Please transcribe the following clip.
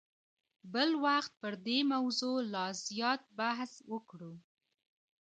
بل وخت به پر دې موضوع لا زیات بحث وکړو.